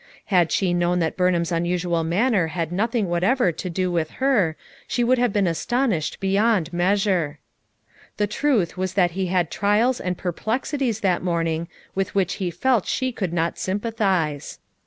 Had she known that Burnham's un usual manner had nothing whatever to do with her she would have been astonished beyond measure. The truth was that he had trials and per plexities that morning, with which he felt she could not sympathize.